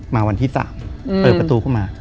วันที่๓เปิดประตูเข้ามา